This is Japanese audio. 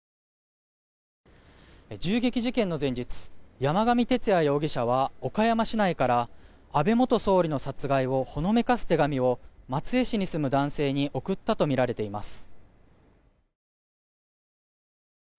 銃撃事件の前日山上徹也容疑者は岡山市内から安倍元総理の殺害をほのめかす手紙を松江市に住む男性に送ったとみられています。